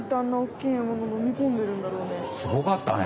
すごかったね。